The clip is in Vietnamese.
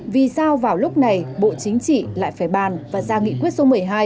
vì sao vào lúc này bộ chính trị lại phải bàn và ra nghị quyết số một mươi hai